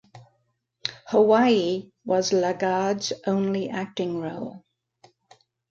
"Hawaii" was LaGarde's only acting role.